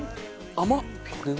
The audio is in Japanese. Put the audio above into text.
甘っ。